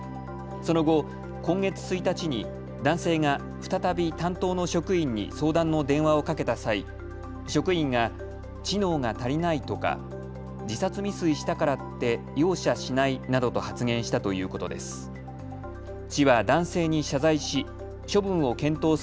その後、今月１日に男性が再び担当の職員に相談の電話をかけた際、職員が知能が足りないとか自殺未遂したからって容赦しないなどと発言したということです。